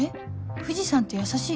藤さんって優しい？